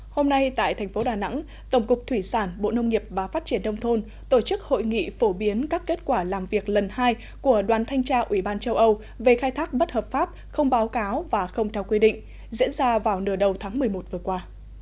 hôm nay tại thành phố đà nẵng tổng cục thủy sản bộ nông nghiệp và phát triển đông thôn tổ chức hội nghị phổ biến các kết quả làm việc lần hai của đoàn thanh tra ủy ban châu âu về khai thác bất hợp pháp không báo cáo và không theo quy định diễn ra vào nửa đầu tháng một mươi một vừa qua